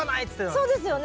そうですよね。